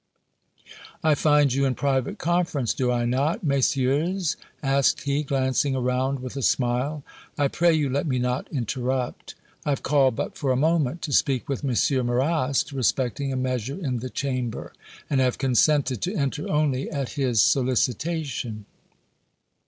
"I find you in private conference, do I not, Messieurs?" asked he, glancing around with a smile. "I pray you let me not interrupt. I have called but for a moment to speak with M. Marrast respecting a measure in the Chamber, and have consented to enter only at his solicitation."